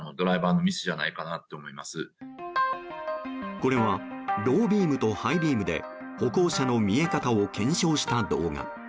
これはロービームとハイビームで歩行者の見え方を検証した動画。